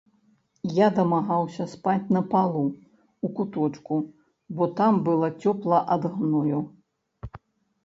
Я дамагаўся спаць на палу, у куточку, бо там было цёпла ад гною.